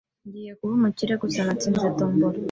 Ngiye kuba umukire. Gusa natsinze tombola